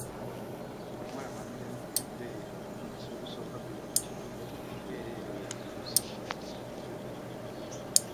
Omuwala bw'amera ebbeere omugaso ogusooka, guli nti, ebbeere eryo lya kuyonsa mwana.